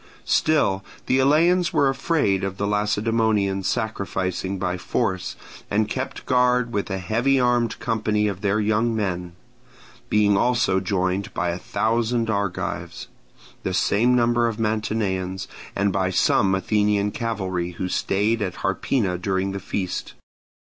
Still the Eleans were afraid of the Lacedaemonians sacrificing by force, and kept guard with a heavy armed company of their young men; being also joined by a thousand Argives, the same number of Mantineans, and by some Athenian cavalry who stayed at Harpina during the feast.